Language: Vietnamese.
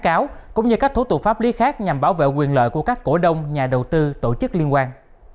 tố cáo cũng như các thủ tục pháp lý khác nhằm bảo vệ quyền lợi của các cổ đông nhà đầu tư tổ chức liên quan